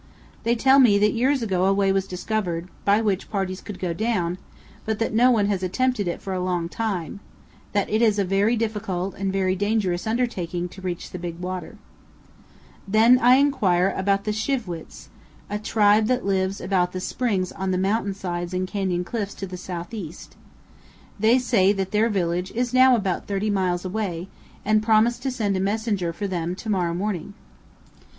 They tell me that years ago a way was discovered by which parties could go down, but that no one has attempted it for a long time; that it is a very difficult and very dangerous undertaking to reach the "Big Water." Then I inquire about the Shi'vwits, a tribe that lives about powell canyons 188.jpg WUNAVAI GATHERING SEEDS. THE RIO VIRGEN AKD THE UINKARET MOUNTAINS. 303 the springs on the mountain sides and canyon cliffs to the southwest. They say that their village is now about 30 miles away, and promise to send a messenger for them to morrow morning.